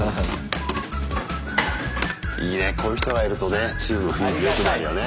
いいねこういう人がいるとねチームの雰囲気よくなるよね。